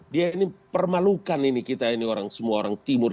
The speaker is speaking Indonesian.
dia ini permalukan ini kita ini orang semua orang timur